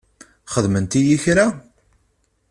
Xedment-iyi kra?